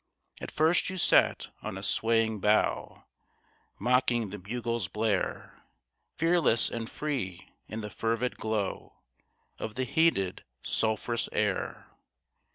At first you sat on a swaying bough, Mocking the bugle's blare. Fearless and free in the fervid glow Of the heated, sulphurous air.